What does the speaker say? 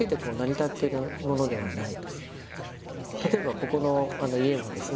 例えばここの家もですね